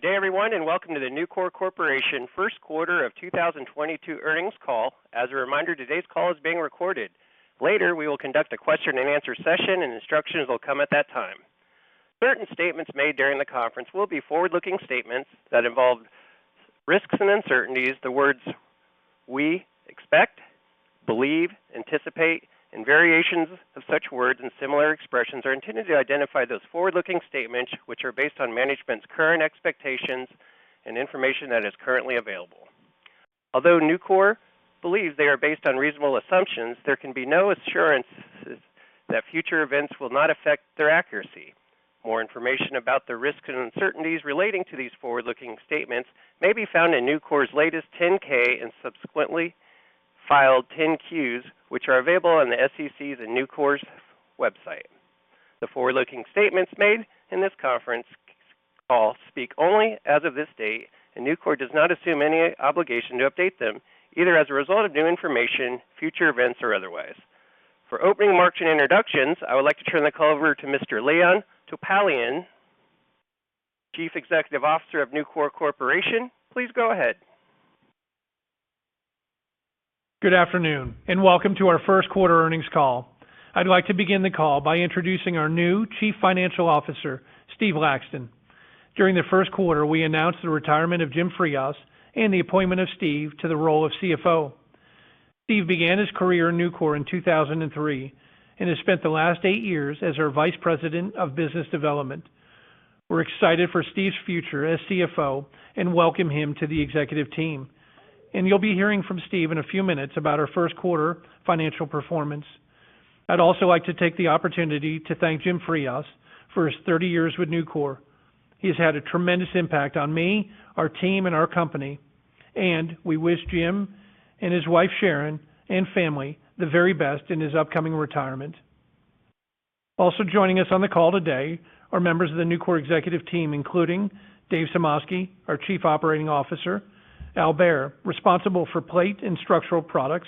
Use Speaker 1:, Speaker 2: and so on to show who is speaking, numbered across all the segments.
Speaker 1: Good day, everyone, and welcome to the Nucor Corporation first quarter of 2022 earnings call. As a reminder, today's call is being recorded. Later, we will conduct a question-and-answer session, and instructions will come at that time. Certain statements made during the conference will be forward-looking statements that involve risks and uncertainties. The words we expect, believe, anticipate, and variations of such words and similar expressions are intended to identify those forward-looking statements, which are based on management's current expectations and information that is currently available. Although Nucor believes they are based on reasonable assumptions, there can be no assurances that future events will not affect their accuracy. More information about the risks and uncertainties relating to these forward-looking statements may be found in Nucor's latest 10-K and subsequently filed 10-Qs, which are available on the SEC's and Nucor's website. The forward-looking statements made in this conference call speak only as of this date, and Nucor does not assume any obligation to update them, either as a result of new information, future events, or otherwise. For opening remarks and introductions, I would like to turn the call over to Mr. Leon Topalian, Chief Executive Officer of Nucor Corporation. Please go ahead.
Speaker 2: Good afternoon, and welcome to our first quarter earnings call. I'd like to begin the call by introducing our new Chief Financial Officer, Steve Laxton. During the first quarter, we announced the retirement of Jim Frias and the appointment of Steve to the role of CFO. Steve began his career in Nucor in 2003 and has spent the last eight years as our Vice President of Business Development. We're excited for Steve's future as CFO and welcome him to the executive team. You'll be hearing from Steve in a few minutes about our first quarter financial performance. I'd also like to take the opportunity to thank Jim Frias for his 30 years with Nucor. He has had a tremendous impact on me, our team, and our company, and we wish Jim and his wife, Sharon, and family the very best in his upcoming retirement. Also joining us on the call today are members of the Nucor executive team, including Dave Sumoski, our Chief Operating Officer, Al Behr, responsible for plate and structural products,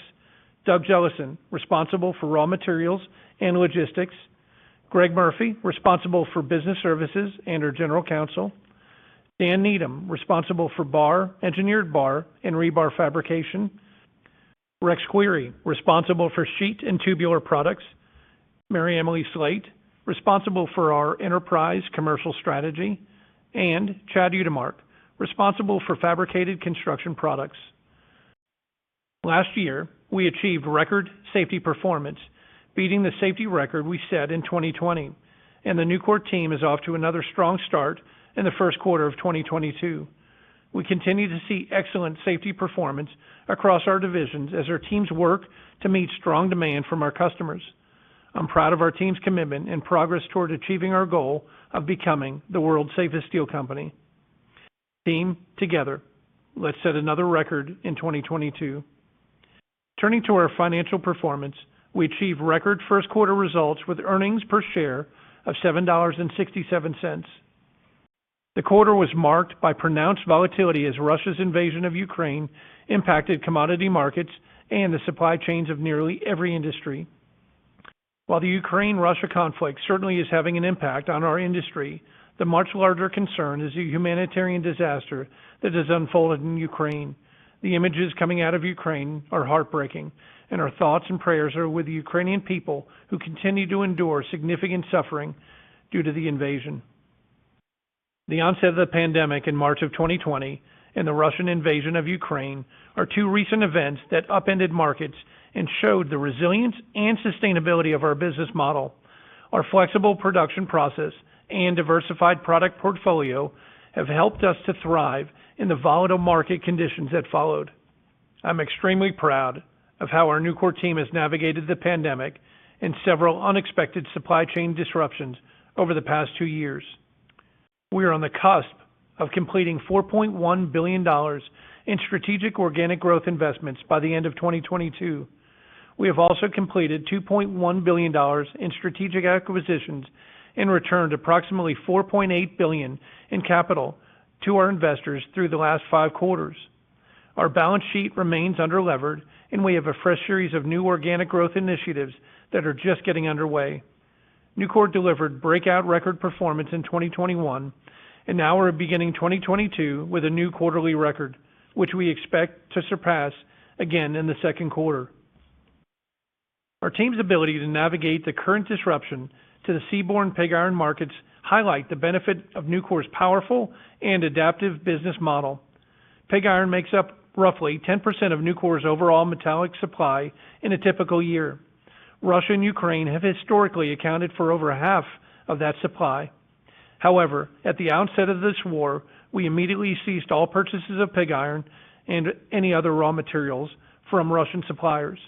Speaker 2: Doug Jellison, responsible for raw materials and logistics, Greg Murphy, responsible for business services and our general counsel, Dan Needham, responsible for bar, engineered bar and rebar fabrication, Rex Query, responsible for sheet and tubular products, MaryEmily Slate, responsible for our enterprise commercial strategy, and Chad Utermark, responsible for fabricated construction products. Last year, we achieved record safety performance, beating the safety record we set in 2020, and the Nucor team is off to another strong start in the first quarter of 2022. We continue to see excellent safety performance across our divisions as our teams work to meet strong demand from our customers. I'm proud of our team's commitment and progress toward achieving our goal of becoming the world's safest steel company. Team, together, let's set another record in 2022. Turning to our financial performance, we achieved record first quarter results with earnings per share of $7.67. The quarter was marked by pronounced volatility as Russia's invasion of Ukraine impacted commodity markets and the supply chains of nearly every industry. While the Ukraine-Russia conflict certainly is having an impact on our industry, the much larger concern is the humanitarian disaster that has unfolded in Ukraine. The images coming out of Ukraine are heartbreaking, and our thoughts and prayers are with the Ukrainian people who continue to endure significant suffering due to the invasion. The onset of the pandemic in March of 2020 and the Russian invasion of Ukraine are two recent events that upended markets and showed the resilience and sustainability of our business model. Our flexible production process and diversified product portfolio have helped us to thrive in the volatile market conditions that followed. I'm extremely proud of how our Nucor team has navigated the pandemic and several unexpected supply chain disruptions over the past two years. We are on the cusp of completing $4.1 billion in strategic organic growth investments by the end of 2022. We have also completed $2.1 billion in strategic acquisitions and returned approximately $4.8 billion in capital to our investors through the last five quarters. Our balance sheet remains under-levered, and we have a fresh series of new organic growth initiatives that are just getting underway. Nucor delivered breakout record performance in 2021, and now we're beginning 2022 with a new quarterly record, which we expect to surpass again in the second quarter. Our team's ability to navigate the current disruption to the seaborne pig iron markets highlights the benefit of Nucor's powerful and adaptive business model. Pig iron makes up roughly 10% of Nucor's overall metallic supply in a typical year. Russia and Ukraine have historically accounted for over half of that supply. However, at the outset of this war, we immediately ceased all purchases of pig iron and any other raw materials from Russian suppliers.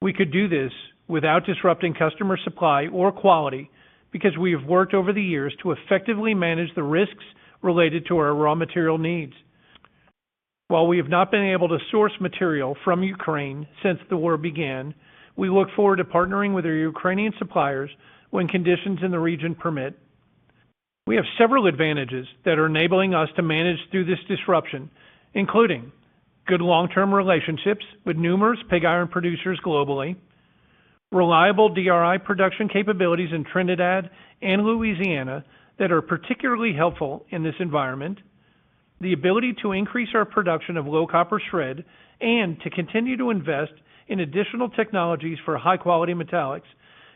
Speaker 2: We could do this without disrupting customer supply or quality because we have worked over the years to effectively manage the risks related to our raw material needs. While we have not been able to source material from Ukraine since the war began, we look forward to partnering with our Ukrainian suppliers when conditions in the region permit. We have several advantages that are enabling us to manage through this disruption, including good long-term relationships with numerous pig iron producers globally. Reliable DRI production capabilities in Trinidad and Louisiana that are particularly helpful in this environment. The ability to increase our production of low copper shred and to continue to invest in additional technologies for high-quality metallics,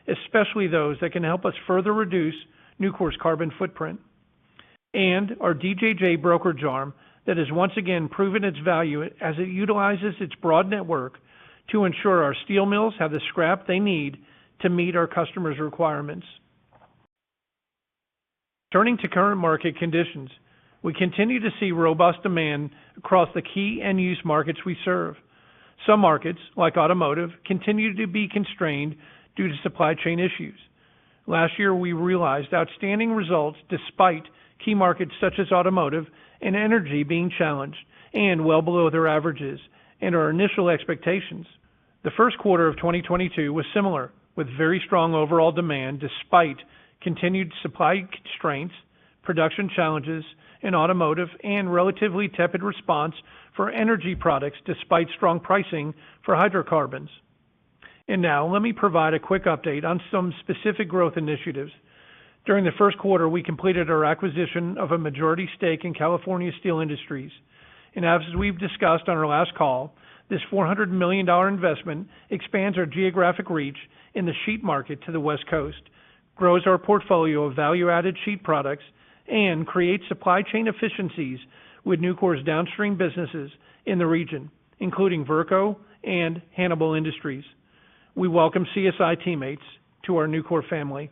Speaker 2: especially those that can help us further reduce Nucor's carbon footprint. Our DJJ brokerage arm that has once again proven its value as it utilizes its broad network to ensure our steel mills have the scrap they need to meet our customers' requirements. Turning to current market conditions, we continue to see robust demand across the key end-use markets we serve. Some markets, like automotive, continue to be constrained due to supply chain issues. Last year, we realized outstanding results despite key markets such as automotive and energy being challenged and well below their averages and our initial expectations. The first quarter of 2022 was similar, with very strong overall demand despite continued supply constraints, production challenges in automotive, and relatively tepid response for energy products despite strong pricing for hydrocarbons. Now let me provide a quick update on some specific growth initiatives. During the first quarter, we completed our acquisition of a majority stake in California Steel Industries. As we've discussed on our last call, this $400 million investment expands our geographic reach in the sheet market to the West Coast, grows our portfolio of value-added sheet products, and creates supply chain efficiencies with Nucor's downstream businesses in the region, including Verco and Hannibal Industries. We welcome CSI teammates to our Nucor family.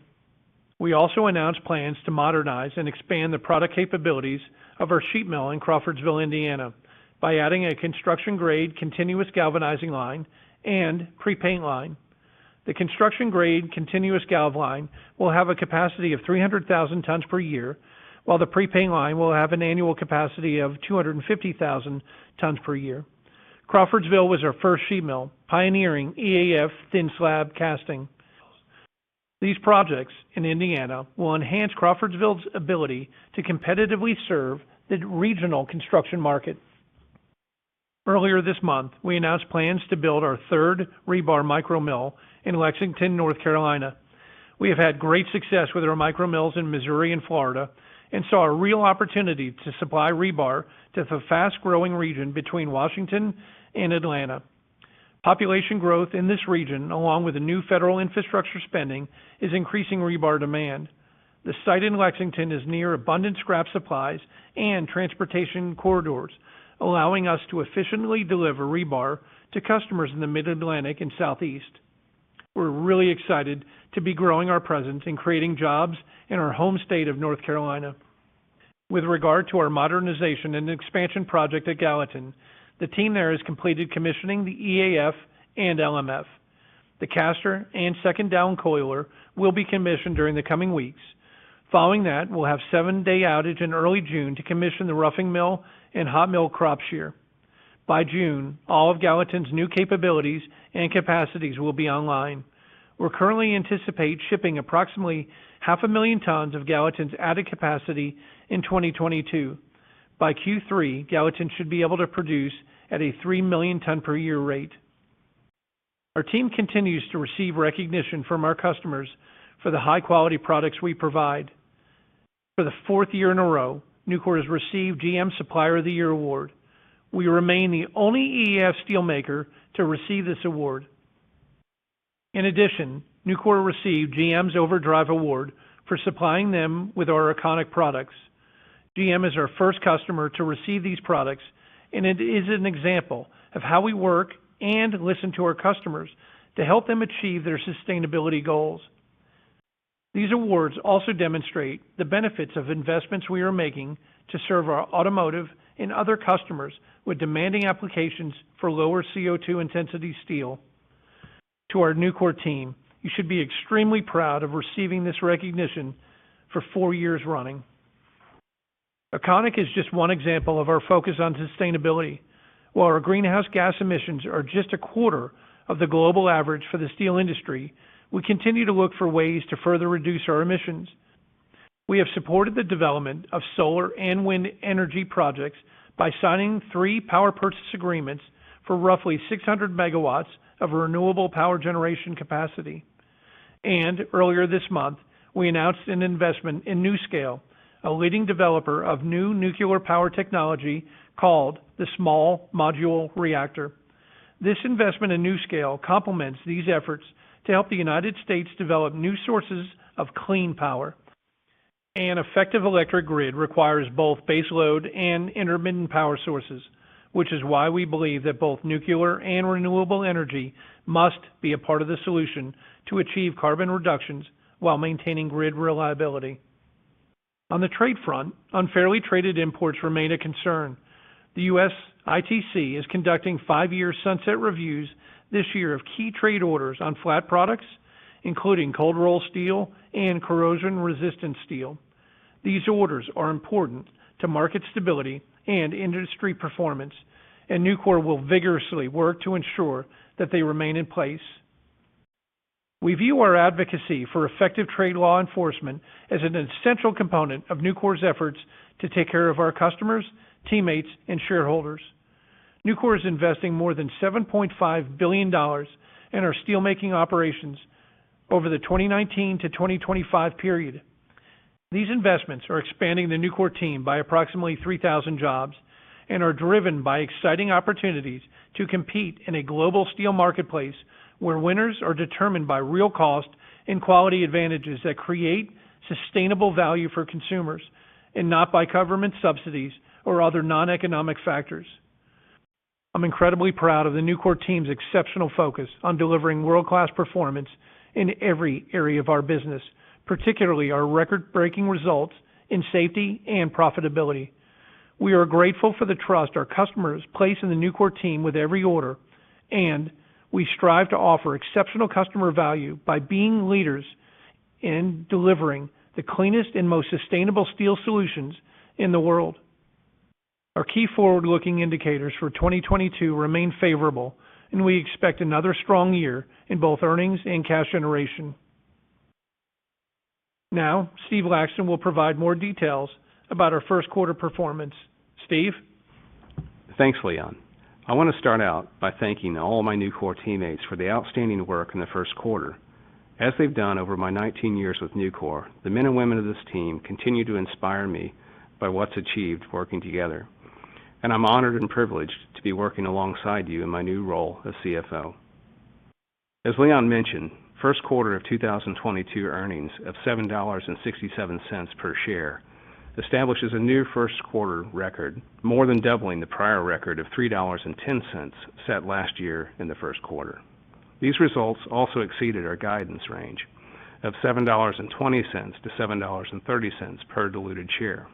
Speaker 2: We also announced plans to modernize and expand the product capabilities of our sheet mill in Crawfordsville, Indiana, by adding a construction-grade continuous galvanizing line and pre-paint line. The construction-grade continuous galv line will have a capacity of 300,000 tons per year, while the pre-paint line will have an annual capacity of 250,000 tons per year. Crawfordsville was our first sheet mill, pioneering EAF thin slab casting. These projects in Indiana will enhance Crawfordsville's ability to competitively serve the regional construction market. Earlier this month, we announced plans to build our third rebar micro mill in Lexington, North Carolina. We have had great success with our micro mills in Missouri and Florida and saw a real opportunity to supply rebar to the fast-growing region between Washington and Atlanta. Population growth in this region, along with the new federal infrastructure spending, is increasing rebar demand. The site in Lexington is near abundant scrap supplies and transportation corridors, allowing us to efficiently deliver rebar to customers in the Mid-Atlantic and Southeast. We're really excited to be growing our presence and creating jobs in our home state of North Carolina. With regard to our modernization and expansion project at Gallatin, the team there has completed commissioning the EAF and LMF. The caster and second down coiler will be commissioned during the coming weeks. Following that, we'll have seven-day outage in early June to commission the roughing mill and hot mill crop shear. By June, all of Gallatin's new capabilities and capacities will be online. We currently anticipate shipping approximately half a million tons of Gallatin's added capacity in 2022. By Q3, Gallatin should be able to produce at a 3 million ton per year rate. Our team continues to receive recognition from our customers for the high-quality products we provide. For the fourth year in a row, Nucor has received GM's Supplier of the Year award. We remain the only EAF steelmaker to receive this award. In addition, Nucor received GM's Overdrive Award for supplying them with our Econiq products. GM is our first customer to receive these products, and it is an example of how we work and listen to our customers to help them achieve their sustainability goals. These awards also demonstrate the benefits of investments we are making to serve our automotive and other customers with demanding applications for lower CO2 intensity steel. To our Nucor team, you should be extremely proud of receiving this recognition for four years running. Econiq is just one example of our focus on sustainability. While our greenhouse gas emissions are just a quarter of the global average for the steel industry, we continue to look for ways to further reduce our emissions. We have supported the development of solar and wind energy projects by signing three power purchase agreements for roughly 600 MW of renewable power generation capacity. Earlier this month, we announced an investment in NuScale, a leading developer of new nuclear power technology called the Small Modular Reactor. This investment in NuScale complements these efforts to help the United States develop new sources of clean power. An effective electric grid requires both base load and intermittent power sources, which is why we believe that both nuclear and renewable energy must be a part of the solution to achieve carbon reductions while maintaining grid reliability. On the trade front, unfairly traded imports remain a concern. The U.S. ITC is conducting five-year sunset reviews this year of key trade orders on flat products, including cold-rolled steel and corrosion-resistant steel. These orders are important to market stability and industry performance, and Nucor will vigorously work to ensure that they remain in place. We view our advocacy for effective trade law enforcement as an essential component of Nucor's efforts to take care of our customers, teammates, and shareholders. Nucor is investing more than $7.5 billion in our steelmaking operations over the 2019-2025 period. These investments are expanding the Nucor team by approximately 3,000 jobs and are driven by exciting opportunities to compete in a global steel marketplace where winners are determined by real cost and quality advantages that create sustainable value for consumers and not by government subsidies or other non-economic factors. I'm incredibly proud of the Nucor team's exceptional focus on delivering world-class performance in every area of our business, particularly our record-breaking results in safety and profitability. We are grateful for the trust our customers place in the Nucor team with every order, and we strive to offer exceptional customer value by being leaders in delivering the cleanest and most sustainable steel solutions in the world. Our key forward-looking indicators for 2022 remain favorable, and we expect another strong year in both earnings and cash generation. Now, Steve Laxton will provide more details about our first quarter performance. Steve?
Speaker 3: Thanks, Leon. I want to start out by thanking all my Nucor teammates for the outstanding work in the first quarter. As they've done over my 19 years with Nucor, the men and women of this team continue to inspire me by what's achieved working together. I'm honored and privileged to be working alongside you in my new role as CFO. As Leon mentioned, first quarter of 2022 earnings of $7.67 per share establishes a new first quarter record, more than doubling the prior record of $3.10 set last year in the first quarter. These results also exceeded our guidance range of $7.20-$7.30 per diluted share.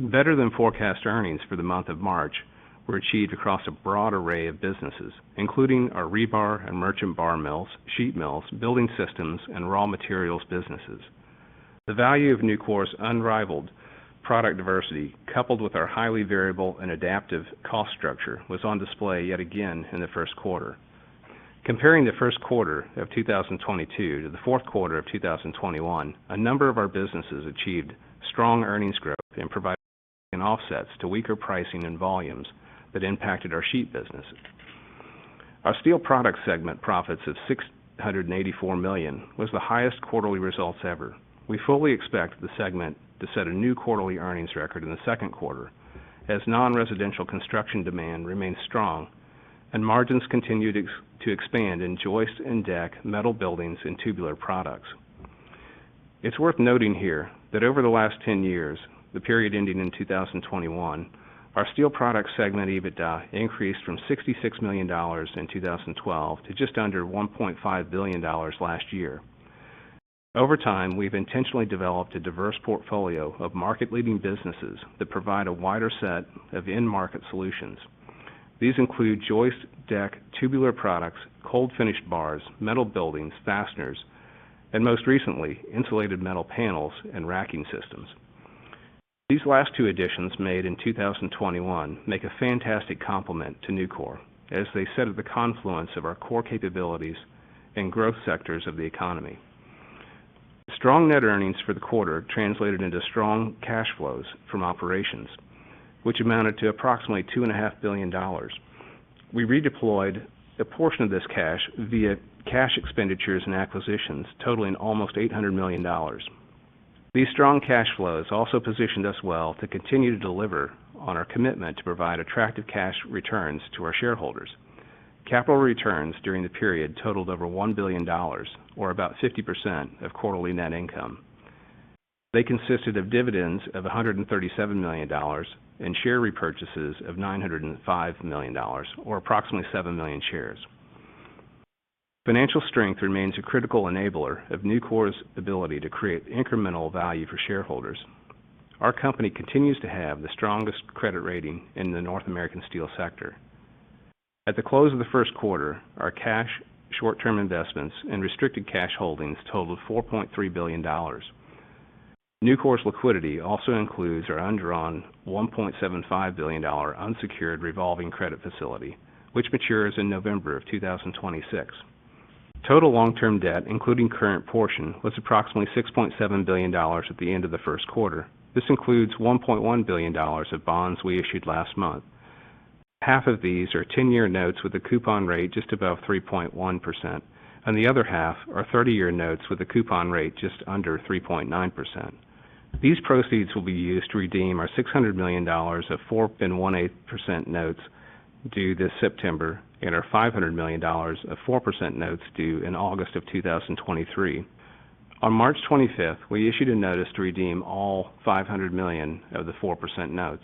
Speaker 3: Better than forecast earnings for the month of March were achieved across a broad array of businesses, including our rebar and merchant bar mills, sheet mills, building systems, and raw materials businesses. The value of Nucor's unrivaled product diversity, coupled with our highly variable and adaptive cost structure, was on display yet again in the first quarter. Comparing the first quarter of 2022 to the fourth quarter of 2021, a number of our businesses achieved strong earnings growth and provided offsets to weaker pricing and volumes that impacted our sheet business. Our steel product segment profits of $684 million was the highest quarterly results ever. We fully expect the segment to set a new quarterly earnings record in the second quarter as non-residential construction demand remains strong and margins continue to expand in joist and deck metal buildings and tubular products. It's worth noting here that over the last 10 years, the period ending in 2021, our Steel Products segment EBITDA increased from $66 million in 2012 to just under $1.5 billion last year. Over time, we've intentionally developed a diverse portfolio of market-leading businesses that provide a wider set of end market solutions. These include joist, deck, tubular products, cold finished bars, metal buildings, fasteners, and most recently, insulated metal panels and racking systems. These last two additions made in 2021 make a fantastic complement to Nucor as they sit at the confluence of our core capabilities in growth sectors of the economy. Strong net earnings for the quarter translated into strong cash flows from operations, which amounted to approximately $2.5 billion. We redeployed a portion of this cash via cash expenditures and acquisitions totaling almost $800 million. These strong cash flows also positioned us well to continue to deliver on our commitment to provide attractive cash returns to our shareholders. Capital returns during the period totaled over $1 billion or about 50% of quarterly net income. They consisted of dividends of $137 million and share repurchases of $905 million or approximately 7 million shares. Financial strength remains a critical enabler of Nucor's ability to create incremental value for shareholders. Our company continues to have the strongest credit rating in the North American steel sector. At the close of the first quarter, our cash, short-term investments, and restricted cash holdings totaled $4.3 billion. Nucor's liquidity also includes our undrawn $1.75 billion unsecured revolving credit facility, which matures in November 2026. Total long-term debt, including current portion, was approximately $6.7 billion at the end of the first quarter. This includes $1.1 billion of bonds we issued last month. Half of these are 10-year notes with a coupon rate just above 3.1%, and the other half are 30-year notes with a coupon rate just under 3.9%. These proceeds will be used to redeem our $600 million of 4.18% notes due this September and our $500 million of 4% notes due in August 2023. On March 25, we issued a notice to redeem all $500 million of the 4% notes.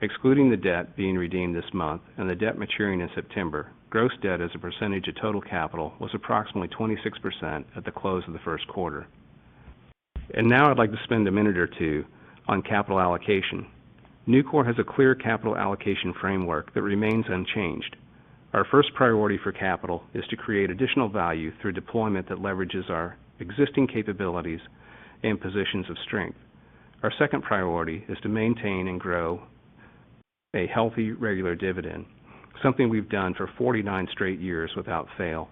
Speaker 3: Excluding the debt being redeemed this month and the debt maturing in September, gross debt as a percentage of total capital was approximately 26% at the close of the first quarter. Now I'd like to spend a minute or two on capital allocation. Nucor has a clear capital allocation framework that remains unchanged. Our first priority for capital is to create additional value through deployment that leverages our existing capabilities and positions of strength. Our second priority is to maintain and grow a healthy, regular dividend, something we've done for 49 straight years without fail.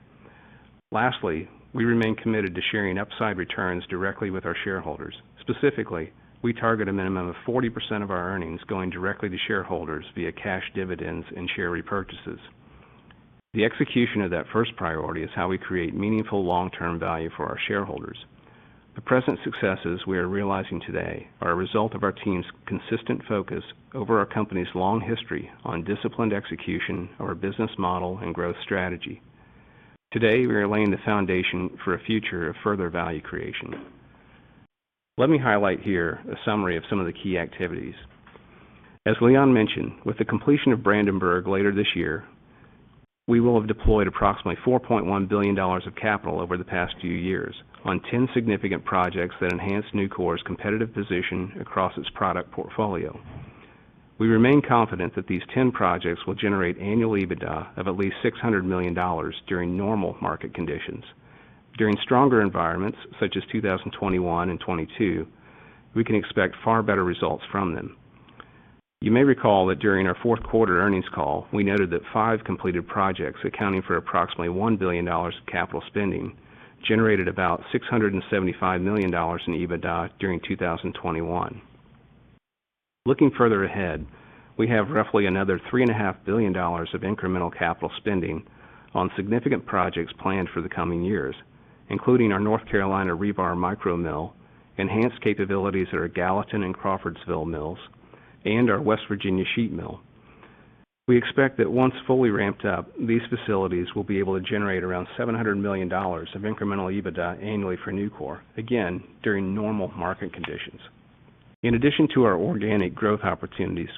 Speaker 3: Lastly, we remain committed to sharing upside returns directly with our shareholders. Specifically, we target a minimum of 40% of our earnings going directly to shareholders via cash dividends and share repurchases. The execution of that first priority is how we create meaningful long-term value for our shareholders. The present successes we are realizing today are a result of our team's consistent focus over our company's long history on disciplined execution of our business model and growth strategy. Today, we are laying the foundation for a future of further value creation. Let me highlight here a summary of some of the key activities. As Leon mentioned, with the completion of Brandenburg later this year, we will have deployed approximately $4.1 billion of capital over the past few years on 10 significant projects that enhance Nucor's competitive position across its product portfolio. We remain confident that these 10 projects will generate annual EBITDA of at least $600 million during normal market conditions. During stronger environments such as 2021 and 2022, we can expect far better results from them. You may recall that during our fourth quarter earnings call, we noted that 5 completed projects accounting for approximately $1 billion of capital spending generated about $675 million in EBITDA during 2021. Looking further ahead, we have roughly another $3.5 billion of incremental capital spending on significant projects planned for the coming years, including our North Carolina rebar micro mill, enhanced capabilities at our Gallatin and Crawfordsville mills, and our West Virginia sheet mill. We expect that once fully ramped up, these facilities will be able to generate around $700 million of incremental EBITDA annually for Nucor, again, during normal market conditions. In addition to our organic growth opportunities,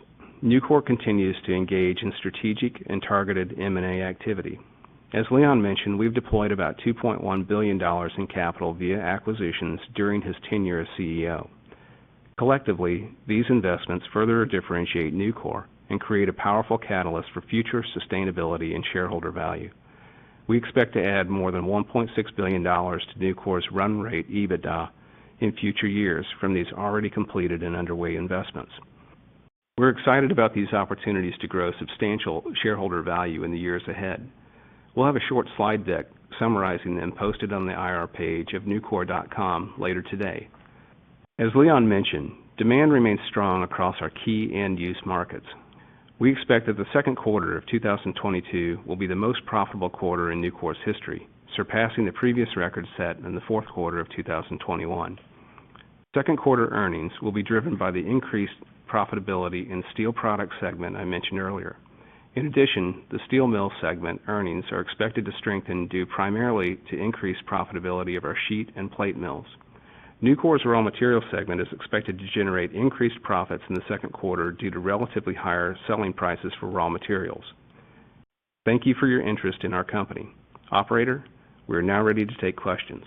Speaker 3: Nucor continues to engage in strategic and targeted M&A activity. As Leon mentioned, we've deployed about $2.1 billion in capital via acquisitions during his tenure as CEO. Collectively, these investments further differentiate Nucor and create a powerful catalyst for future sustainability and shareholder value. We expect to add more than $1.6 billion to Nucor's run rate EBITDA in future years from these already completed and underway investments. We're excited about these opportunities to grow substantial shareholder value in the years ahead. We'll have a short slide deck summarizing them posted on the IR page of nucor.com later today. As Leon mentioned, demand remains strong across our key end-use markets. We expect that the second quarter of 2022 will be the most profitable quarter in Nucor's history, surpassing the previous record set in the fourth quarter of 2021. Second quarter earnings will be driven by the increased profitability in Steel Products segment I mentioned earlier. In addition, the Steel Mills segment earnings are expected to strengthen due primarily to increased profitability of our sheet and plate mills. Nucor's Raw Materials segment is expected to generate increased profits in the second quarter due to relatively higher selling prices for raw materials. Thank you for your interest in our company. Operator, we are now ready to take questions.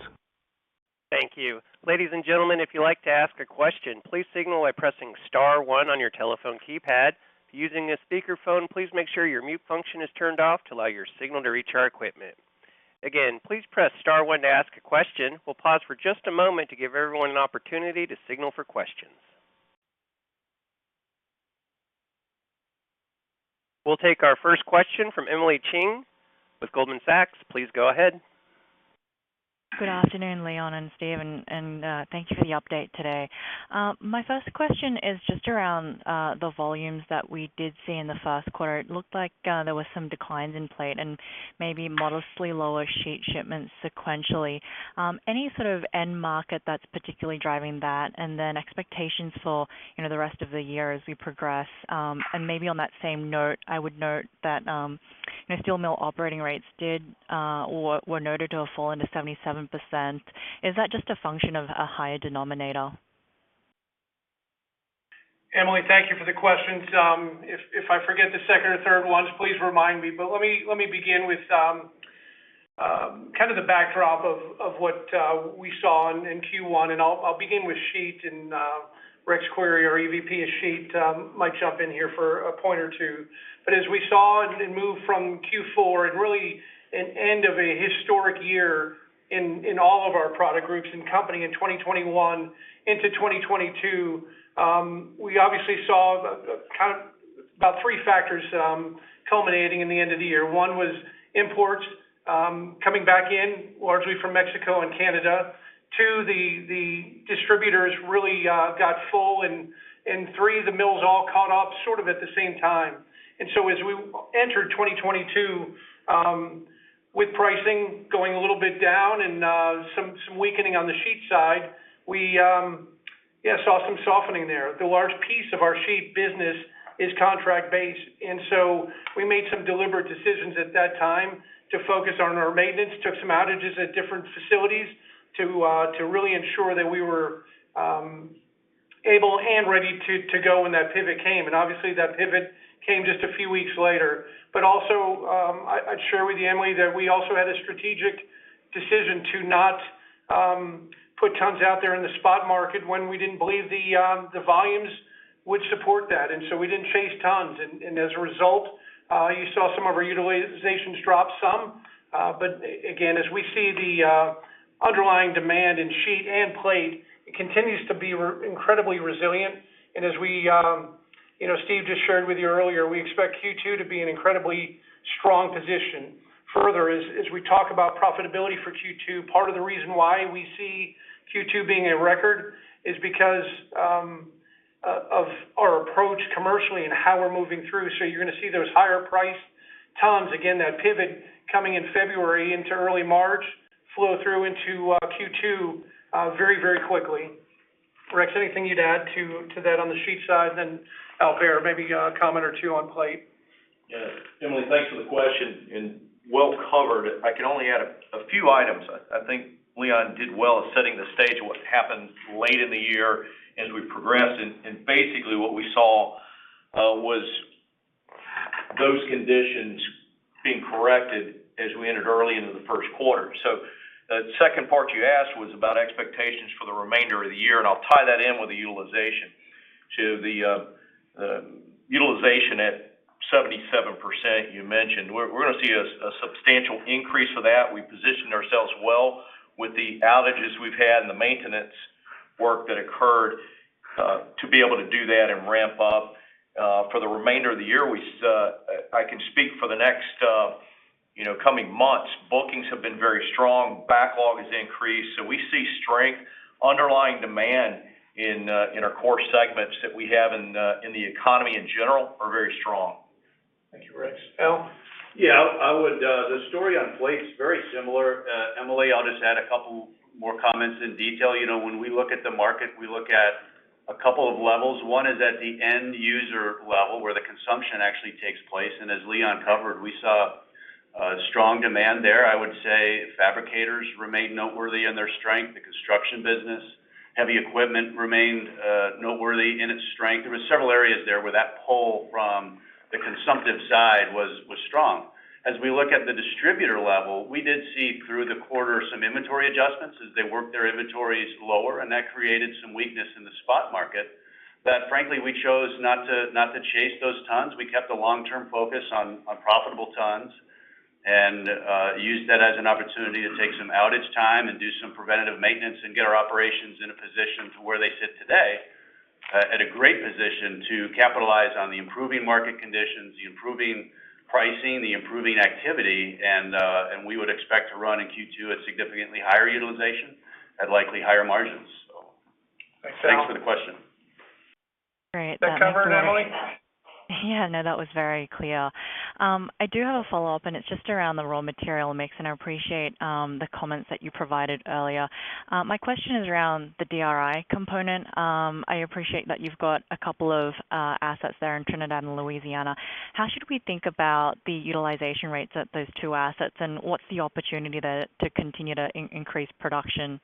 Speaker 1: Thank you. Ladies and gentlemen, if you'd like to ask a question, please signal by pressing star one on your telephone keypad. If you're using a speakerphone, please make sure your mute function is turned off to allow your signal to reach our equipment. Again, please press star one to ask a question. We'll pause for just a moment to give everyone an opportunity to signal for questions. We'll take our first question from Emily Chieng with Goldman Sachs. Please go ahead.
Speaker 4: Good afternoon, Leon and Steve, thank you for the update today. My first question is just around the volumes that we did see in the first quarter. It looked like there was some declines in plate and maybe modestly lower sheet shipments sequentially. Any sort of end market that's particularly driving that, and then expectations for the rest of the year as we progress? And maybe on that same note, I would note that, you know, steel mill operating rates did or were noted to have fallen to 77%. Is that just a function of a higher denominator?
Speaker 2: Emily, thank you for the questions. If I forget the second or third ones, please remind me. Let me begin with kind of the backdrop of what we saw in Q1, and I'll begin with sheet and Rex Query, our EVP of sheet, might jump in here for a point or two. As we saw it move from Q4 and really an end of a historic year in all of our product groups and company in 2021 into 2022, we obviously saw kind of about three factors culminating in the end of the year. One was imports coming back in largely from Mexico and Canada. Two, the distributors really got full, and three, the mills all caught up sort of at the same time. As we entered 2022, with pricing going a little bit down and some weakening on the sheet side, we saw some softening there. The large piece of our sheet business is contract-based, and we made some deliberate decisions at that time to focus on our maintenance, took some outages at different facilities to really ensure that we were able and ready to go when that pivot came. Obviously, that pivot came just a few weeks later. Also, I'd share with you, Emily, that we also had a strategic decision to not put tons out there in the spot market when we didn't believe the volumes would support that. We didn't chase tons. As a result, you saw some of our utilizations drop some. Again, as we see the underlying demand in sheet and plate, it continues to be incredibly resilient. As we, you know, Steve just shared with you earlier, we expect Q2 to be an incredibly strong position. Further, as we talk about profitability for Q2, part of the reason why we see Q2 being a record is because of our approach commercially and how we're moving through. You're gonna see those higher-priced tons. Again, that pivot coming in February into early March flow through into Q2 very quickly. Rex, anything you'd add to that on the sheet side, and then Al Behr, maybe a comment or two on plate?
Speaker 5: Yes. Emily, thanks for the question, and well covered. I can only add a few items. I think Leon did well at setting the stage of what happened late in the year as we progressed. Basically what we saw was those conditions being corrected as we entered early into the first quarter. The second part you asked was about expectations for the remainder of the year, and I'll tie that in with the utilization. To the utilization at 77% you mentioned, we're gonna see a substantial increase of that. We positioned ourselves well with the outages we've had and the maintenance work that occurred to be able to do that and ramp up. For the remainder of the year, I can speak for the next, you know, coming months, bookings have been very strong. Backlog has increased. We see strength. Underlying demand in our core segments that we have in the economy in general are very strong.
Speaker 2: Thank you, Rex. Al?
Speaker 6: The story on plate is very similar, Emily. I'll just add a couple more comments in detail. You know, when we look at the market, we look at a couple of levels. One is at the end user level, where the consumption actually takes place. As Leon covered, we saw strong demand there. I would say fabricators remain noteworthy in their strength, the construction business. Heavy equipment remained noteworthy in its strength. There were several areas there where that pull from the consumptive side was strong. As we look at the distributor level, we did see through the quarter some inventory adjustments as they worked their inventories lower, and that created some weakness in the spot market that frankly, we chose not to chase those tons. We kept the long-term focus on profitable tons and used that as an opportunity to take some outage time and do some preventative maintenance and get our operations in a position to where they sit today, at a great position to capitalize on the improving market conditions, the improving pricing, the improving activity. We would expect to run in Q2 at significantly higher utilization, at likely higher margins.
Speaker 2: Thanks, Al.
Speaker 6: Thanks for the question.
Speaker 4: Great. That makes a lot of sense.
Speaker 2: That cover it, Emily?
Speaker 4: Yeah. No, that was very clear. I do have a follow-up, and it's just around the raw material mix, and I appreciate the comments that you provided earlier. My question is around the DRI component. I appreciate that you've got a couple of assets there in Trinidad and Louisiana. How should we think about the utilization rates at those two assets, and what's the opportunity to continue to increase production?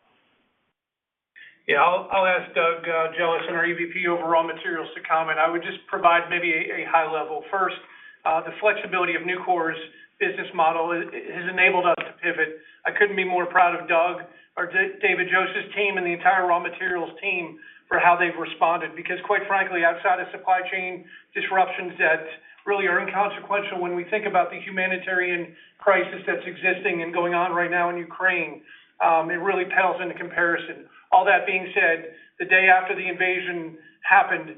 Speaker 2: Yeah. I'll ask Doug Jellison, our EVP over raw materials, to comment. I would just provide maybe a high level first. The flexibility of Nucor's business model has enabled us to pivot. I couldn't be more proud of Doug Jellison or David J. Joseph's team and the entire raw materials team for how they've responded. Because quite frankly, outside of supply chain disruptions that really are inconsequential when we think about the humanitarian crisis that's existing and going on right now in Ukraine, it really pales into comparison. All that being said, the day after the invasion happened,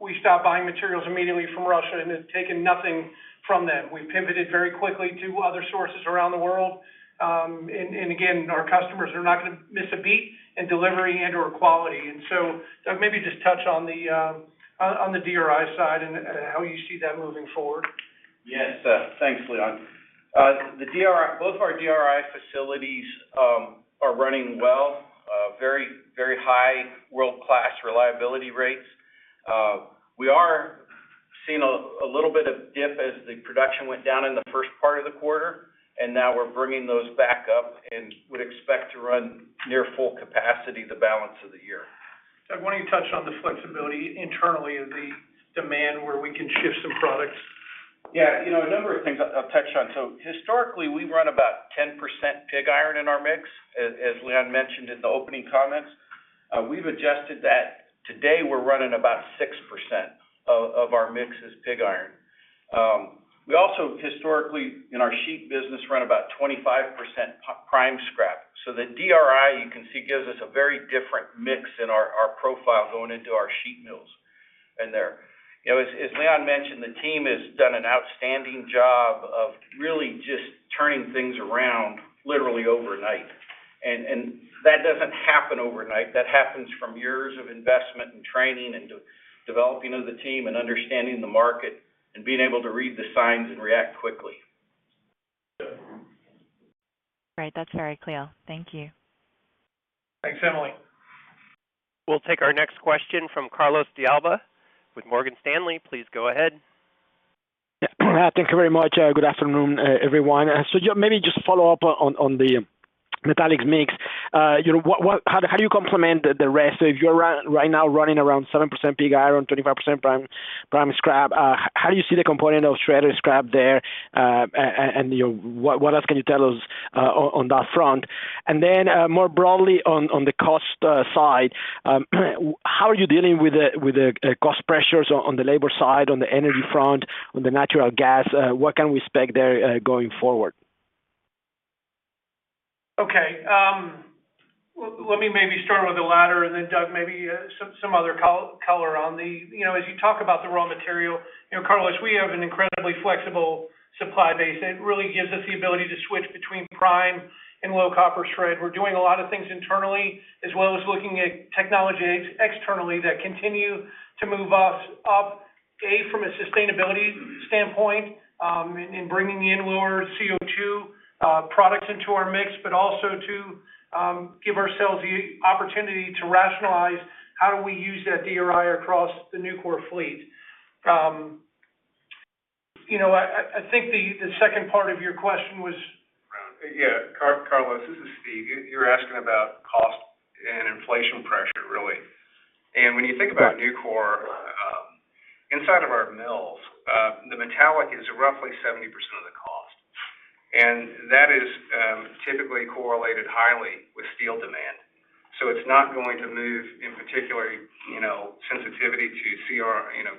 Speaker 2: we stopped buying materials immediately from Russia and have taken nothing from them. We pivoted very quickly to other sources around the world. Again, our customers are not gonna miss a beat in delivery and/or quality. Doug, maybe just touch on the DRI side and how you see that moving forward.
Speaker 7: Yes. Thanks, Leon. Both of our DRI facilities are running well, very, very high world-class reliability rates. We are seeing a little bit of dip as the production went down in the first part of the quarter, and now we're bringing those back up and would expect to run near full capacity the balance of the year.
Speaker 2: Doug, why don't you touch on the flexibility internally of the demand where we can shift some products?
Speaker 7: You know, a number of things I'll touch on. Historically, we run about 10% pig iron in our mix, as Leon mentioned in the opening comments. We've adjusted that. Today, we're running about 6% of our mix is pig iron. We also historically in our sheet business run about 25% prime scrap. The DRI, you can see, gives us a very different mix in our profile going into our sheet mills in there. You know, as Leon mentioned, the team has done an outstanding job of really just turning things around literally overnight. That doesn't happen overnight. That happens from years of investment and training into developing of the team and understanding the market and being able to read the signs and react quickly.
Speaker 4: Right. That's very clear. Thank you.
Speaker 2: Thanks, Emily.
Speaker 1: We'll take our next question from Carlos de Alba with Morgan Stanley. Please go ahead.
Speaker 8: Yeah. Thank you very much. Good afternoon, everyone. Just maybe follow up on the metallics mix. You know, how do you complement the rest? If you're right now running around 7% pig iron, 25% prime scrap, how do you see the component of shredded scrap there? And, you know, what else can you tell us on that front? More broadly on the cost side, how are you dealing with the cost pressures on the labor side, on the energy front, on the natural gas? What can we expect there going forward?
Speaker 2: Okay. Let me maybe start with the latter and then Doug, maybe, some other color on the. You know, as you talk about the raw material, you know, Carlos, we have an incredibly flexible supply base. It really gives us the ability to switch between prime and low copper shred. We're doing a lot of things internally as well as looking at technology externally that continue to move us up, A, from a sustainability standpoint, in bringing in lower CO2 products into our mix, but also to give ourselves the opportunity to rationalize how do we use that DRI across the Nucor fleet. You know, I think the second part of your question was?
Speaker 3: Yeah. Carlos, this is Steve. You're asking about cost and inflation pressure, really. When you think about Nucor, inside of our mills, the metallic is roughly 70% of the cost. That is typically correlated highly with steel demand. So it's not going to move in particular, you know, sensitivity to CR, you know,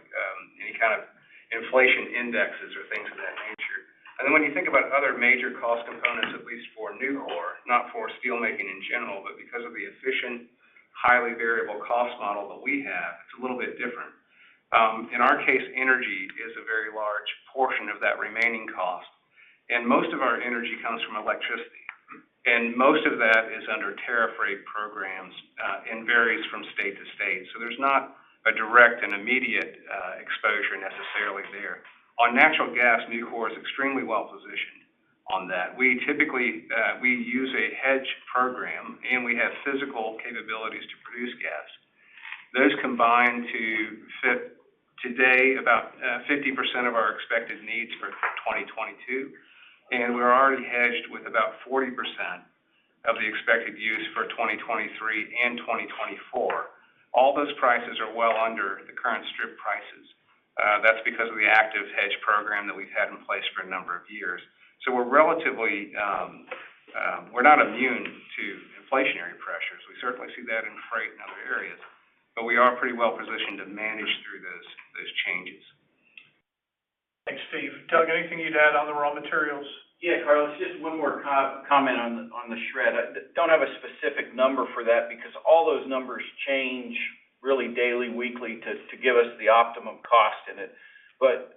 Speaker 3: any kind of inflation indexes or things of that nature. When you think about other major cost components, at least for Nucor, not for steel making in general, but because of the efficient, highly variable cost model that we have, it's a little bit different. In our case, energy is a very large portion of that remaining cost, and most of our energy comes from electricity. Most of that is under tariff rate programs, and varies from state to state. There's not a direct and immediate exposure necessarily there. On natural gas, Nucor is extremely well-positioned on that. We typically use a hedge program, and we have physical capabilities to produce gas. Those combine to meet today about 50% of our expected needs for 2022, and we're already hedged with about 40% of the expected use for 2023 and 2024. All those prices are well under the current strip prices. That's because of the active hedge program that we've had in place for a number of years. We're relatively. We're not immune to inflationary pressures. We certainly see that in freight and other areas, but we are pretty well-positioned to manage through those changes.
Speaker 2: Thanks, Steve. Doug, anything you'd add on the raw materials?
Speaker 7: Yeah, Carlos, just one more comment on the shred. I don't have a specific number for that because all those numbers change really daily, weekly to give us the optimum cost in it. But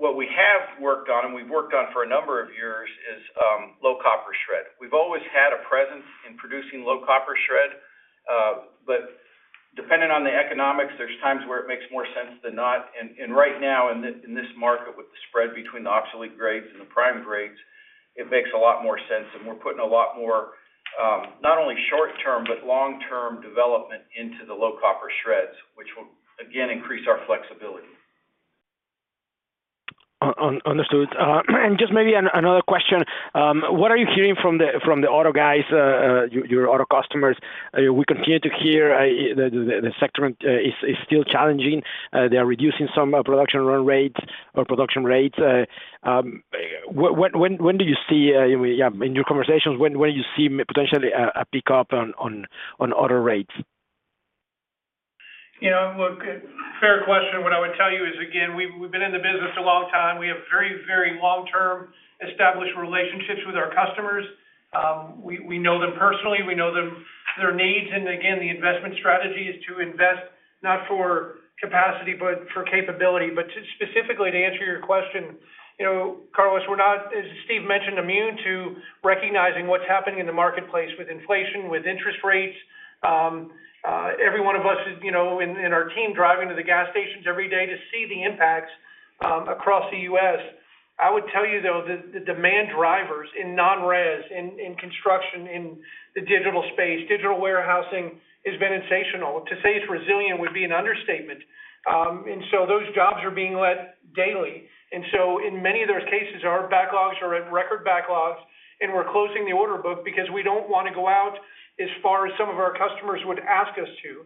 Speaker 7: what we have worked on, and we've worked on for a number of years, is low copper shred. We've always had a presence in producing low copper shred, but dependent on the economics, there's times where it makes more sense than not. And right now in this market with the spread between the obsolete grades and the prime grades, it makes a lot more sense, and we're putting a lot more, not only short-term, but long-term development into the low copper shreds, which will again increase our flexibility.
Speaker 8: Understood. Just maybe another question. What are you hearing from the auto guys, your auto customers? We continue to hear the sector is still challenging. They are reducing some production run rates or production rates. When do you see in your conversations, when do you see potentially a pickup on auto rates?
Speaker 2: You know, look, fair question. What I would tell you is, again, we've been in the business a long time. We have very, very long-term established relationships with our customers. We know them personally, we know them, their needs. Again, the investment strategy is to invest not for capacity, but for capability. To specifically answer your question, you know, Carlos, we're not, as Steve mentioned, immune to recognizing what's happening in the marketplace with inflation, with interest rates. Every one of us is, you know, in our team driving to the gas stations every day to see the impacts across the U.S. I would tell you though, the demand drivers in non-res, in construction, in the digital space, digital warehousing has been sensational. To say it's resilient would be an understatement. Those jobs are being led daily. In many of those cases, our backlogs are at record backlogs, and we're closing the order book because we don't wanna go out as far as some of our customers would ask us to.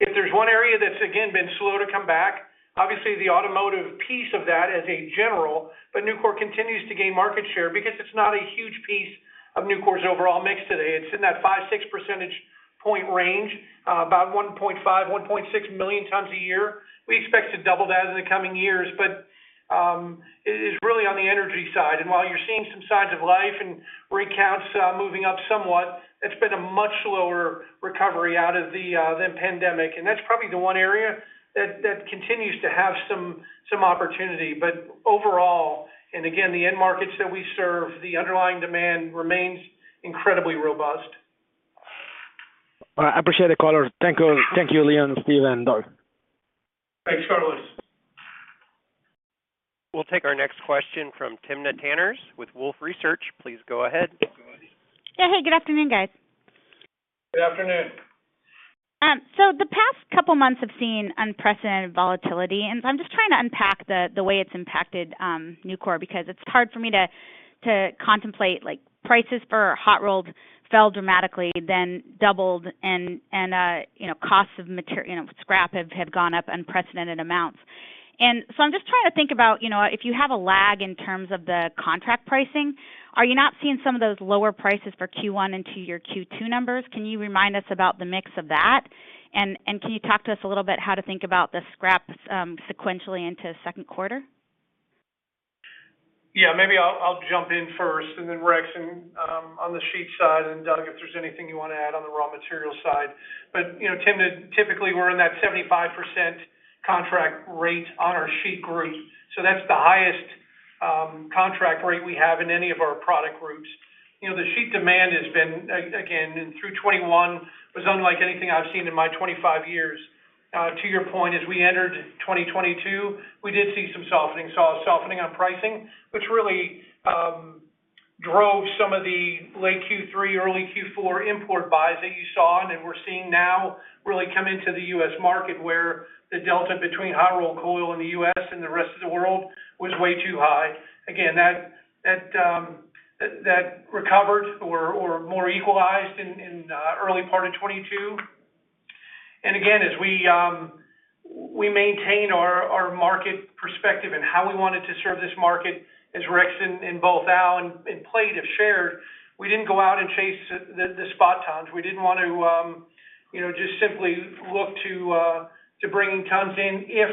Speaker 2: If there's one area that's, again, been slow to come back, obviously the automotive piece of that in general, but Nucor continues to gain market share because it's not a huge piece of Nucor's overall mix today. It's in that five-6 percentage point range, about 1.5 million-1.6 million tons a year. We expect to double that in the coming years. It is really on the energy side. While you're seeing some signs of life in rig counts moving up somewhat, it's been a much lower recovery out of the pandemic. That's probably the one area that continues to have some opportunity. Overall, and again, the end markets that we serve, the underlying demand remains incredibly robust.
Speaker 8: All right. I appreciate the color. Thank you. Thank you, Leon, Steve, and Doug.
Speaker 2: Thanks, Carlos.
Speaker 1: We'll take our next question from Timna Tanners with Wolfe Research. Please go ahead.
Speaker 2: Go ahead.
Speaker 9: Yeah. Hey, good afternoon, guys.
Speaker 2: Good afternoon.
Speaker 9: The past couple months have seen unprecedented volatility, and I'm just trying to unpack the way it's impacted Nucor because it's hard for me to contemplate like prices for hot rolls fell dramatically, then doubled and you know, scrap have gone up unprecedented amounts. I'm just trying to think about, you know, if you have a lag in terms of the contract pricing, are you not seeing some of those lower prices for Q1 into your Q2 numbers? Can you remind us about the mix of that? Can you talk to us a little bit how to think about the scraps sequentially into second quarter?
Speaker 2: Yeah, maybe I'll jump in first and then Rex and on the sheet side, and Doug, if there's anything you want to add on the raw material side. You know, Tim, typically, we're in that 75% contract rate on our sheet group. That's the highest contract rate we have in any of our product groups. You know, the sheet demand has been again and through 2021 was unlike anything I've seen in my 25 years. To your point, as we entered 2022, we did see some softening on pricing, which really drove some of the late Q3, early Q4 import buys that you saw and that we're seeing now really come into the U.S. market where the delta between hot rolled coil in the U.S. and the rest of the world was way too high. Again, that recovered or more equalized in early part of 2022. Again, as we maintain our market perspective and how we wanted to serve this market as Rex and both Al and Plate have shared, we didn't go out and chase the spot tons. We didn't want to, you know, just simply look to bring tons in if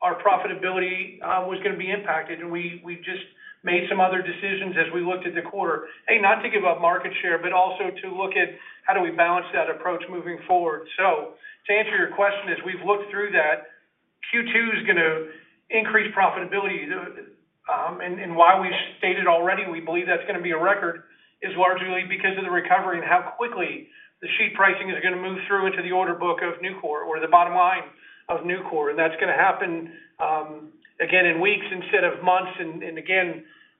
Speaker 2: our profitability was gonna be impacted. We just made some other decisions as we looked at the quarter, not to give up market share, but also to look at how do we balance that approach moving forward. To answer your question, as we've looked through that, Q2 is gonna increase profitability. Why we stated already we believe that's gonna be a record is largely because of the recovery and how quickly the sheet pricing is gonna move through into the order book of Nucor or the bottom line of Nucor. That's gonna happen again in weeks instead of months.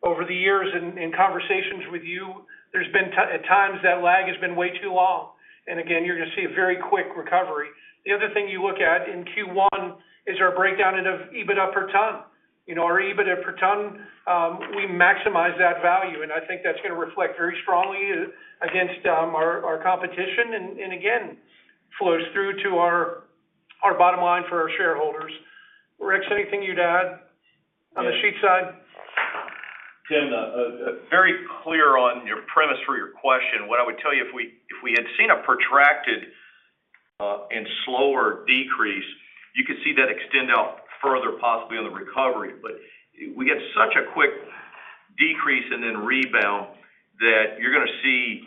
Speaker 2: Over the years in conversations with you, there's been at times that lag has been way too long. You're gonna see a very quick recovery. The other thing you look at in Q1 is our breakdown of EBITDA per ton. You know, our EBITDA per ton we maximize that value, and I think that's gonna reflect very strongly against our competition and again flows through to our bottom line for our shareholders. Rex, anything you'd add on the sheet side?
Speaker 5: Tim, very clear on your premise for your question. What I would tell you, if we had seen a protracted and slower decrease, you could see that extend out further possibly on the recovery. We had such a quick decrease and then rebound that you're gonna see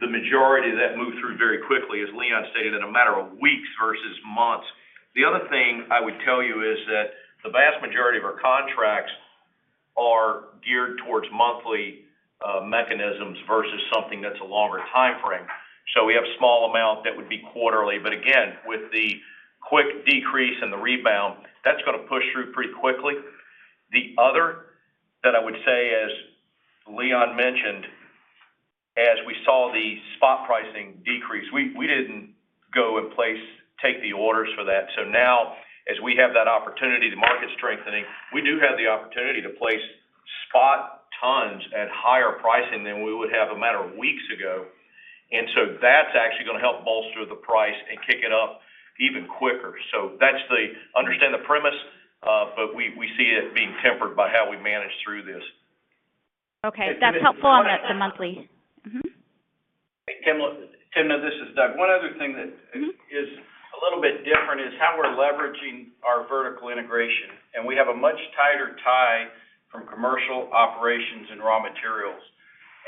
Speaker 5: the majority of that move through very quickly, as Leon stated, in a matter of weeks versus months. The other thing I would tell you is that the vast majority of our contracts are geared towards monthly mechanisms versus something that's a longer timeframe. We have small amount that would be quarterly. Again, with the quick decrease and the rebound, that's gonna push through pretty quickly. The other that I would say, as Leon mentioned, as we saw the spot pricing decrease, we didn't go and take the orders for that. Now, as we have that opportunity, the market strengthening, we do have the opportunity to place spot tons at higher pricing than we would have a matter of weeks ago. That's actually gonna help bolster the price and kick it up even quicker. Understand the premise, but we see it being tempered by how we manage through this.
Speaker 9: Okay. That's helpful on the monthly. Mm-hmm.
Speaker 7: Tim, this is Doug. One other thing that is a little bit different is how we're leveraging our vertical integration, and we have a much tighter tie from commercial operations and raw materials,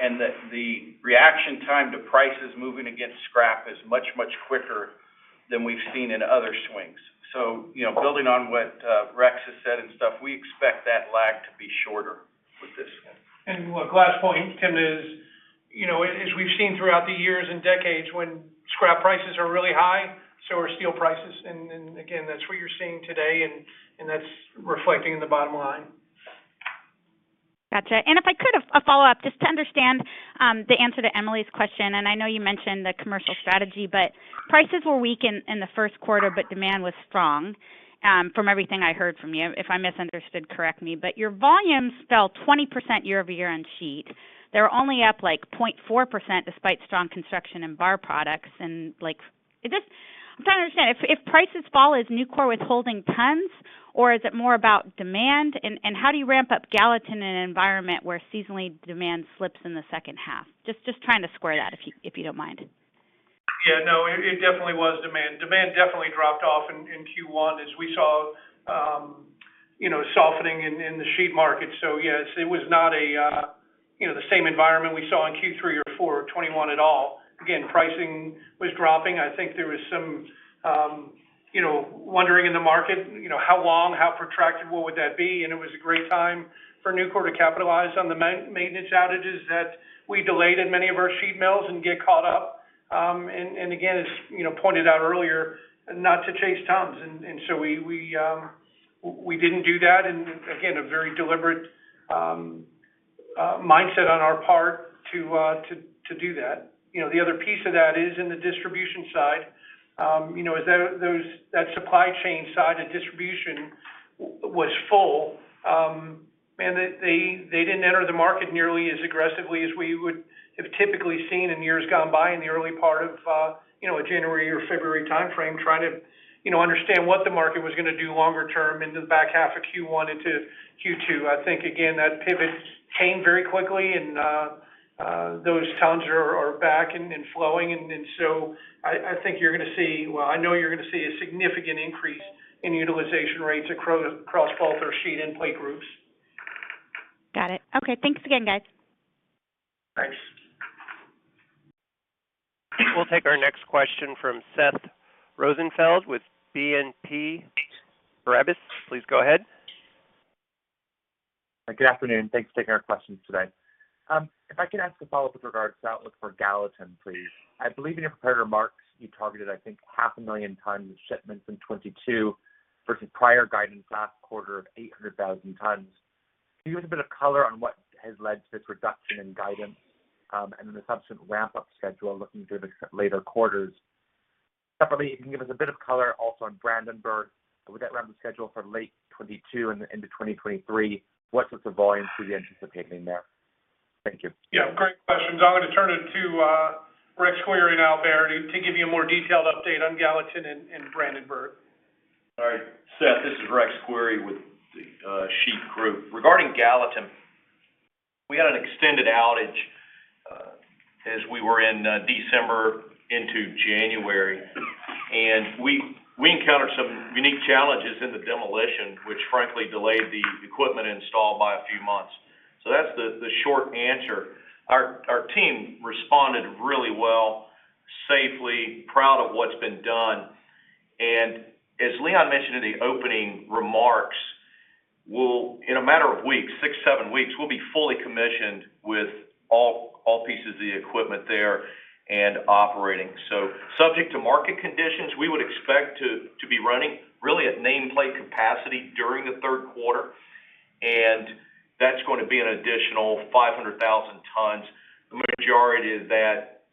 Speaker 7: and that the reaction time to prices moving against scrap is much, much quicker than we've seen in other swings. You know, building on what Rex has said and stuff, we expect that lag to be shorter with this one.
Speaker 2: One last point, Tim, is, you know, as we've seen throughout the years and decades, when scrap prices are really high, so are steel prices. Again, that's what you're seeing today, and that's reflecting in the bottom line.
Speaker 9: Gotcha. If I could, a follow-up, just to understand the answer to Emily's question, and I know you mentioned the commercial strategy, but prices were weak in the first quarter, but demand was strong. From everything I heard from you, if I misunderstood, correct me, but your volumes fell 20% year-over-year on sheet. They were only up, like, 0.4% despite strong construction in bar products. Like, is this? I'm trying to understand, if prices fall, is Nucor withholding tons, or is it more about demand? And how do you ramp up Gallatin in an environment where seasonally demand slips in the second half? Just trying to square that, if you don't mind.
Speaker 2: Yeah, no, it definitely was demand. Demand definitely dropped off in Q1 as we saw, you know, softening in the sheet market. Yes, it was not a, you know, the same environment we saw in Q3 or 4 of 2021 at all. Again, pricing was dropping. I think there was some, you know, wondering in the market, you know, how long, how protracted, what would that be? It was a great time for Nucor to capitalize on the maintenance outages that we delayed in many of our sheet mills and get caught up. Again, as you know, pointed out earlier, not to chase tons. We didn't do that. Again, a very deliberate mindset on our part to do that. You know, the other piece of that is in the distribution side. You know, that supply chain side of distribution was full. They didn't enter the market nearly as aggressively as we would have typically seen in years gone by in the early part of, you know, a January or February timeframe, trying to, you know, understand what the market was gonna do longer term into the back half of Q1 into Q2. I think, again, that pivot came very quickly and those tons are back and flowing. I think you're gonna see. Well, I know you're gonna see a significant increase in utilization rates across both our sheet and plate groups.
Speaker 9: Got it. Okay. Thanks again, guys.
Speaker 1: We'll take our next question from Seth Rosenfeld with BNP Paribas. Please go ahead.
Speaker 10: Good afternoon. Thanks for taking our questions today. If I could ask a follow-up with regards to outlook for Gallatin, please. I believe in your prepared remarks, you targeted, I think, 500,000 tons of shipments in 2022 versus prior guidance last quarter of 800,000 tons. Can you give a bit of color on what has led to this reduction in guidance, and then the subsequent ramp-up schedule looking through the later quarters? Separately, if you can give us a bit of color also on Brandenburg. Are we on that ramp schedule for late 2022 into 2023? What sorts of volumes are you anticipating there? Thank you.
Speaker 2: Yeah. Great questions. I'm gonna turn it to Rex Query and Al Behr to give you a more detailed update on Gallatin and Brandenburg.
Speaker 5: All right. Seth, this is Rex Query with the Sheet Group. Regarding Gallatin, we had an extended outage as we were in December into January. We encountered some unique challenges in the demolition, which frankly delayed the equipment install by a few months. That's the short answer. Our team responded really well, safely, proud of what's been done. As Leon mentioned in the opening remarks, we'll, in a matter of weeks, six, seven weeks, we'll be fully commissioned with all pieces of the equipment there and operating. Subject to market conditions, we would expect to be running really at nameplate capacity during the third quarter, and that's gonna be an additional 500,000 tons. The majority of that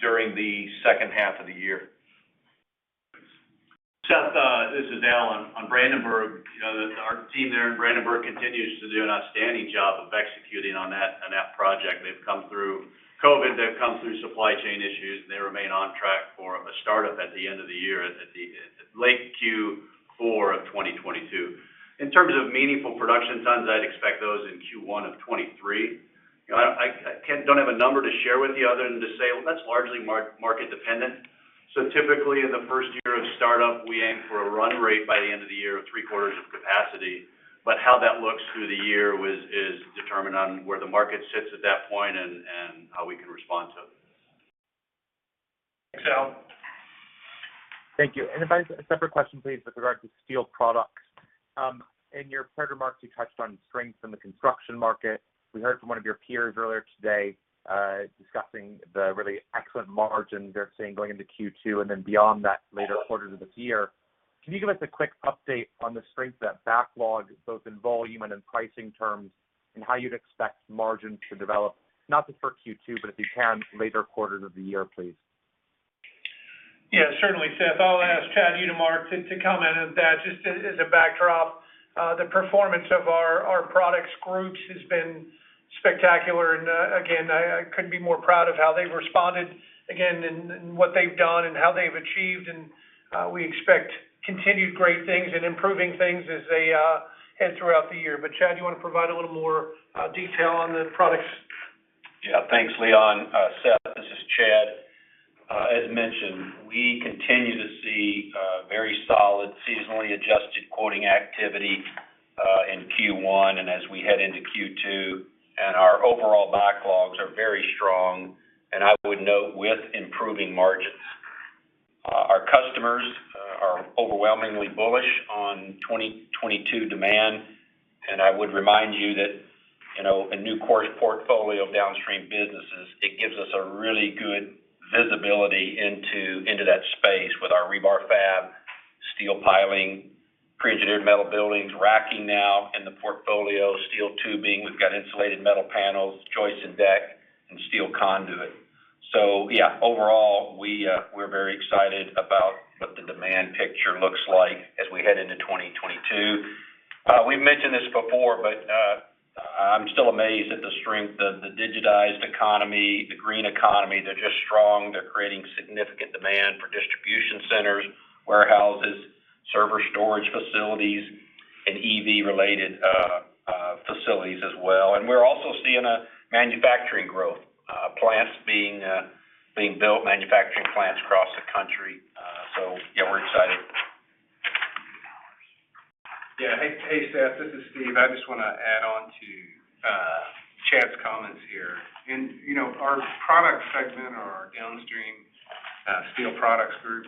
Speaker 5: during the second half of the year.
Speaker 6: Seth, this is Al. On Brandenburg, you know, our team there in Brandenburg continues to do an outstanding job of executing on that project. They've come through COVID, they've come through supply chain issues, and they remain on track for a startup at late Q4 of 2022. In terms of meaningful production times, I'd expect those in Q1 of 2023. You know, I don't have a number to share with you other than to say, well, that's largely market dependent. Typically, in the first year of startup, we aim for a run rate by the end of the year of three-quarters of capacity. But how that looks through the year is determined on where the market sits at that point and how we can respond to it.
Speaker 10: Thanks, Al. Thank you. If I have a separate question, please, with regard to steel products. In your prepared remarks, you touched on strength in the construction market. We heard from one of your peers earlier today, discussing the really excellent margins they're seeing going into Q2 and then beyond that later quarters of this year. Can you give us a quick update on the strength of that backlog, both in volume and in pricing terms, and how you'd expect margins to develop, not just for Q2, but if you can, later quarters of the year, please?
Speaker 2: Yeah, certainly, Seth. I'll ask Chad Utermark to comment on that. Just as a backdrop, the performance of our products groups has been spectacular. Again, I couldn't be more proud of how they've responded again and what they've done and how they've achieved. We expect continued great things and improving things as they head throughout the year. But Chad, you wanna provide a little more detail on the products?
Speaker 11: Yeah. Thanks, Leon. Seth, this is Chad. As mentioned, we continue to see very solid seasonally adjusted quoting activity in Q1 and as we head into Q2. Our overall backlogs are very strong, and I would note with improving margins. Our customers are overwhelmingly bullish on 2022 demand. I would remind you that, you know, a Nucor portfolio of downstream businesses gives us a really good visibility into that space with our rebar fab, steel piling, prefabricated metal buildings, racking now in the portfolio, steel tubing. We've got insulated metal panels, joist and deck, and steel conduit. Yeah, overall, we're very excited about what the demand picture looks like as we head into 2022. We've mentioned this before, but I'm still amazed at the strength of the digitized economy, the green economy. They're just strong. They're creating significant demand for distribution centers, warehouses, server storage facilities, and EV-related facilities as well. We're also seeing a manufacturing growth, plants being built, manufacturing plants across the country. Yeah, we're excited.
Speaker 3: Yeah. Hey, Seth, this is Steve. I just wanna add on to Chad's comments here. You know, our product segment or our downstream steel products group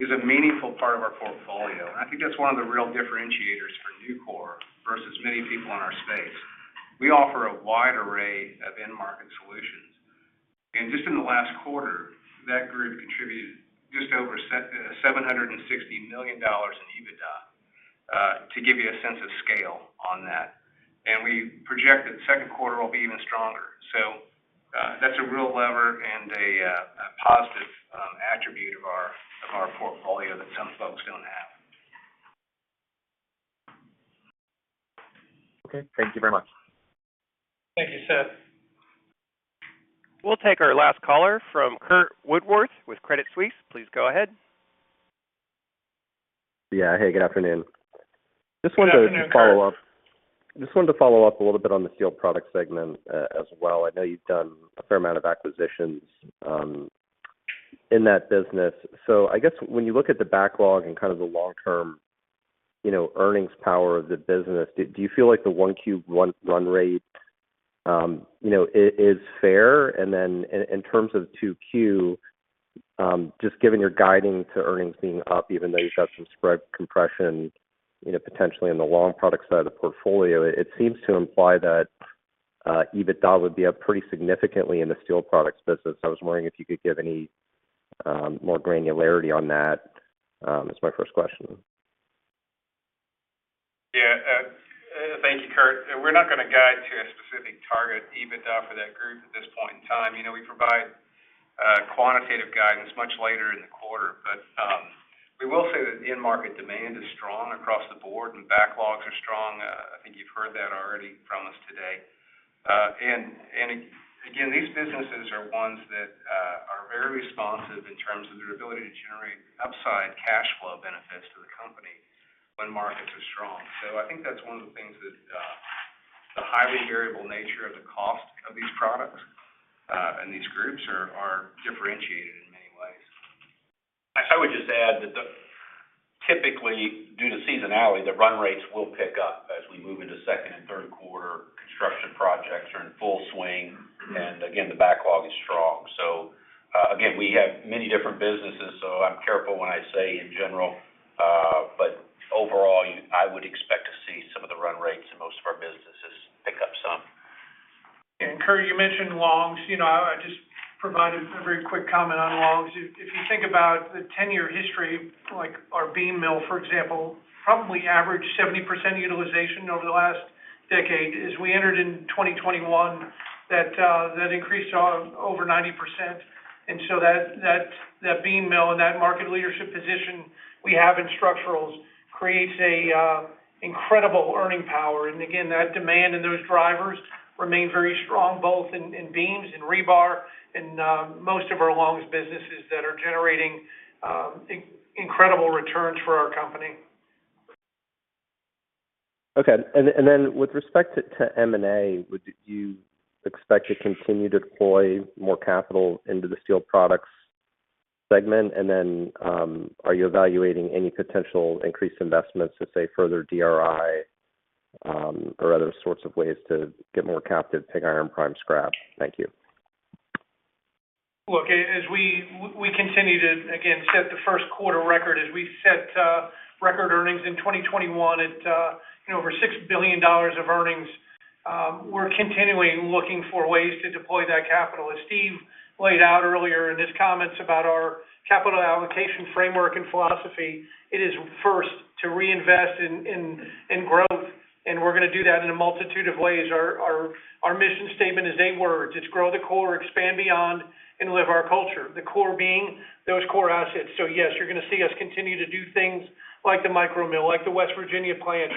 Speaker 3: is a meaningful part of our portfolio. I think that's one of the real differentiators for Nucor versus many people in our space. We offer a wide array of end market solutions. Just in the last quarter, that group contributed just over $760 million in EBITDA to give you a sense of scale on that. We project that the second quarter will be even stronger. That's a real lever and a positive attribute of our portfolio that some folks don't have.
Speaker 10: Okay. Thank you very much.
Speaker 2: Thank you, Seth.
Speaker 1: We'll take our last caller from Curt Woodworth with Credit Suisse. Please go ahead.
Speaker 12: Yeah. Hey, good afternoon. Just wanted to follow up.
Speaker 2: Good afternoon, Curt.
Speaker 12: Just wanted to follow up a little bit on the steel product segment as well. I know you've done a fair amount of acquisitions in that business. I guess when you look at the backlog and kind of the long-term, you know, earnings power of the business, do you feel like the 1Q run rate, you know, is fair? Then in terms of 2Q, just given your guiding to earnings being up, even though you've got some spread compression, you know, potentially in the long product side of the portfolio, it seems to imply that EBITDA would be up pretty significantly in the steel products business. I was wondering if you could give any more granularity on that. Is my first question.
Speaker 2: Yeah. Thank you, Curt. We're not gonna guide to a specific target EBITDA for that group at this point in time. You know, we provide quantitative guidance much later in the quarter. We will say that the end market demand is strong across the board and backlogs are strong. I think you've heard that already from us today. These businesses are ones that are very responsive in terms of their ability to generate upside cash flow benefits to the company when markets are strong. I think that's one of the things that the highly variable nature of the cost of these products and these groups are differentiated in many ways.
Speaker 11: I would just add that typically, due to seasonality, the run rates will pick up as we move into second and third quarter. Construction projects are in full swing, and again, the backlog is strong. Again, we have many different businesses, so I'm careful when I say in general. Overall, I would expect to see some of the run rates in most of our businesses pick up some.
Speaker 2: Curt, you mentioned longs. You know, I just provided a very quick comment on longs. If you think about the 10-year history, like our beam mill, for example, probably average 70% utilization over the last decade. As we entered in 2021, that increased to over 90%. That beam mill and that market leadership position we have in structurals creates incredible earning power. Again, that demand and those drivers remain very strong both in beams and rebar and most of our longs businesses that are generating incredible returns for our company.
Speaker 12: Okay. With respect to M&A, would you expect to continue to deploy more capital into the steel products segment? Are you evaluating any potential increased investments to, say, further DRI, or other sorts of ways to get more captive pig iron prime scrap? Thank you.
Speaker 2: Look, as we continue to again set the first quarter record as we set record earnings in 2021 at over $6 billion of earnings, we're continuing looking for ways to deploy that capital. As Steve laid out earlier in his comments about our capital allocation framework and philosophy, it is first to reinvest in growth, and we're gonna do that in a multitude of ways. Our mission statement is eight words. It's grow the core, expand beyond, and live our culture. The core being those core assets. Yes, you're gonna see us continue to do things like the micro mill, like the West Virginia plant,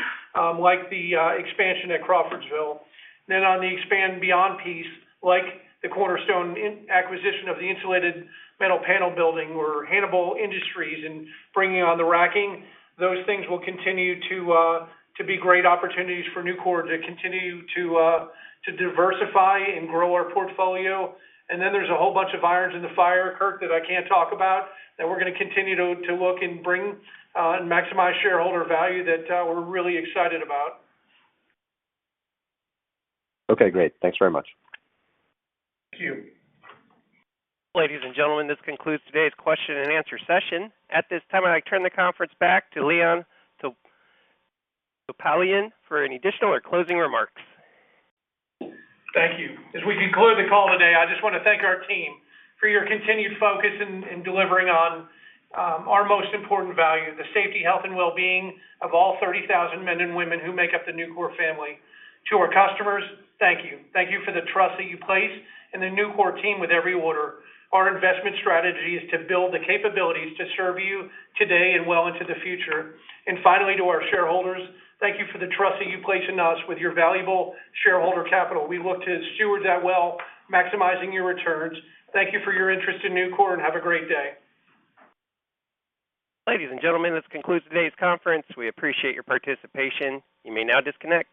Speaker 2: like the expansion at Crawfordsville. Then on the expand beyond piece, like the cornerstone in acquisition of the insulated metal panels or Hannibal Industries and bringing on the racking. Those things will continue to be great opportunities for Nucor to continue to diversify and grow our portfolio. There's a whole bunch of irons in the fire, Curt, that I can't talk about, that we're gonna continue to look and bring, and maximize shareholder value that we're really excited about.
Speaker 12: Okay, great. Thanks very much.
Speaker 2: Thank you.
Speaker 1: Ladies and gentlemen, this concludes today's question and answer session. At this time, I turn the conference back to Leon Topalian for any additional or closing remarks.
Speaker 2: Thank you. As we conclude the call today, I just wanna thank our team for your continued focus in delivering on our most important value, the safety, health, and well-being of all 30,000 men and women who make up the Nucor family. To our customers, thank you. Thank you for the trust that you place in the Nucor team with every order. Our investment strategy is to build the capabilities to serve you today and well into the future. Finally, to our shareholders, thank you for the trust that you place in us with your valuable shareholder capital. We look to steward that well, maximizing your returns. Thank you for your interest in Nucor, and have a great day.
Speaker 1: Ladies and gentlemen, this concludes today's conference. We appreciate your participation. You may now disconnect.